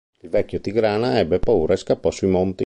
Il vecchio Tigrane ebbe paura e scappò sui monti.